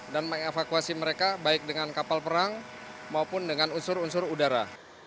dan mengevakuasi mereka baik dengan kapal perang maupun dengan unsur unsur udara